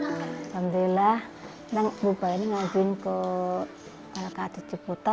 alhamdulillah kita bubani ngajuin ke kac ciputa